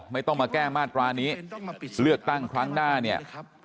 ไม่ต้องมาแก้มาตรานี้เลือกตั้งครั้งหน้าเนี่ย